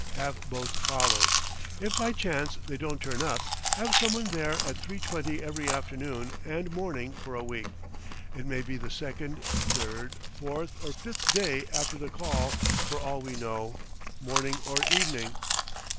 Have both followed. If by chance they don't turn up, have someone there at three twenty every afternoon and morning for a week; it may be the second, third, fourth, or fifth day after the call for all we know, morning or evening."